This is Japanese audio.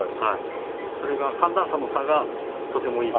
それが寒暖差の差がとてもいい。